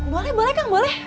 boleh boleh kang boleh